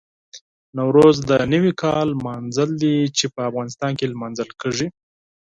نوروز د نوي کال لمانځل دي چې په افغانستان کې لمانځل کېږي.